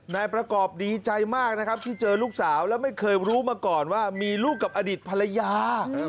นายประกอบดีใจมากนะครับที่เจอลูกสาวแล้วไม่เคยรู้มาก่อนว่ามีลูกกับอดีตภรรยา